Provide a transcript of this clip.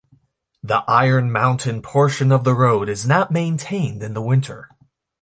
The Iron Mountain portion of the road is not maintained in the winter.